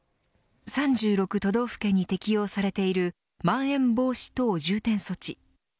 ３６都道府県に適用されているまん延防止等重点措置。